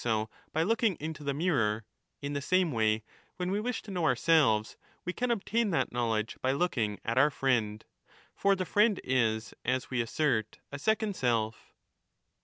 15 I3I3« so by looking into the mirror, in the same way when we wish to know ourselves we can obtain that knowledge by looking at our friend. For the friend is, as we assert,^ a second self.